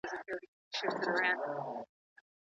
که ټول خلګ ونې وکرل سي، نو د باران کچه نه کمیږي.